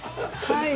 はい。